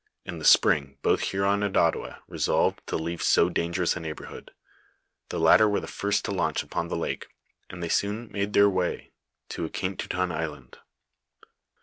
In the spring both Huron and Ot tawa resolved to leave so dangerous a neighborhood ; the latter were the first to launch upon the lake, and they soon made their way to Ekaentouton island.